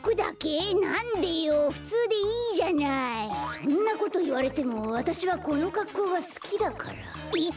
そんなこといわれてもわたしはこのかっこうがすきだから。